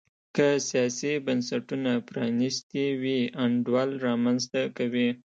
که سیاسي بنسټونه پرانیستي وي انډول رامنځته کوي.